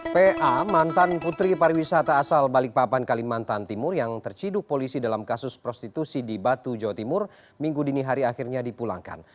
pa mantan putri pariwisata asal balikpapan kalimantan timur yang terciduk polisi dalam kasus prostitusi di batu jawa timur minggu dini hari akhirnya dipulangkan